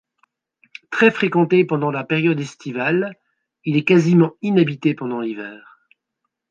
Très fréquenté pendant la période estivale, il est quasiment inhabité pendant l'hiver.